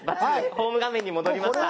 ホーム画面に戻りました。